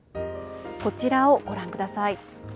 こちらをご覧ください。